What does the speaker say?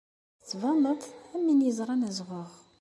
Tettbaneḍ-d am win yeẓran azɣuɣ.